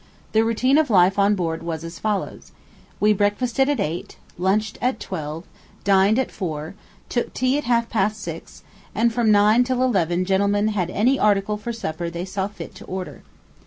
The routine of life on board was as follows: We breakfasted at eight, lunched at twelve, dined at four, took tea at half past six, and from nine till eleven gentlemen had any article for supper they saw fit to order.